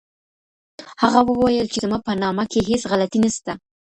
هغه وویل چي زما په نامه کي هیڅ غلطي نسته.